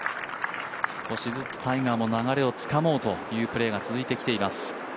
少しずつタイガーも流れをつかもうというプレーが見えてきています。